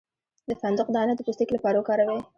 د فندق دانه د پوستکي لپاره وکاروئ